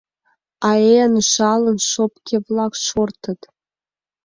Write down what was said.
А эн жалын шопке-влак шортыт.